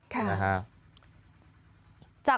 ขอบคุณครับ